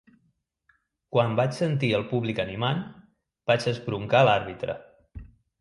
Quan vaig sentir el públic animant, vaig esbroncar l'àrbitre.